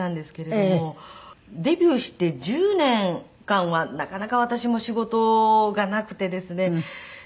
デビューして１０年間はなかなか私も仕事がなくてですね